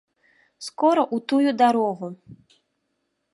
Скора ў тую дарогу!